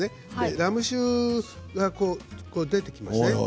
ラム酒が出てきますね。